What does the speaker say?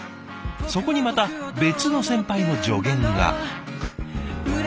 そこにまた別の先輩の助言が。